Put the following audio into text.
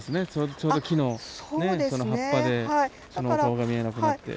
ちょうど木のねこの葉っぱでそのお顔が見えなくなって。